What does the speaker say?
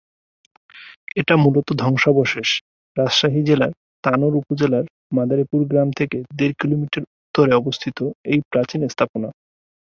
এটা মূলত ধ্বংসাবশেষ রাজশাহী জেলার তানোর উপজেলার মাদারীপুর গ্রাম থেকে দেড় কিলোমিটার উত্তরে অবস্থিত এই প্রাচীন স্থাপনা।।